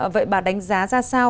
vậy bà đánh giá ra sao